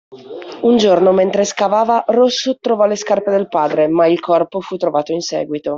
Un giorno mentre scavava Rosso trovò le scarpe del padre ma il corpo fu trovato in seguito.